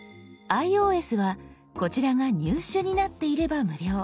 ｉＯＳはこちらが「入手」になっていれば無料。